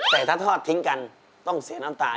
แต่ถ้าทอดทิ้งกันต้องเสียน้ำตาย